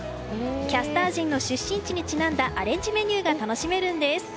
キャスター陣の出身地にちなんだアレンジメニューが楽しめるんです。